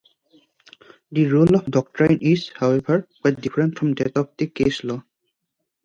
The role of doctrine is, however, quite different from that of the case law.